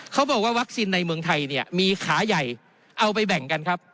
เขาบอกว่าวัคซีนในเมืองไทยเนี่ยมีขาใหญ่เอาไปแบ่งกันครับ